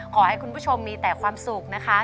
ขอให้คุณผู้ชมมีแต่ความสุขนะคะ